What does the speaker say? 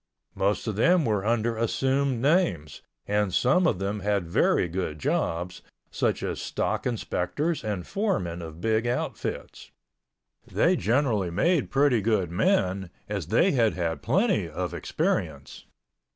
Most of them were under assumed names, and some of them had very good jobs, such as stock inspectors and foremen of big outfits. They generally made pretty good men, as they had had plenty of experience.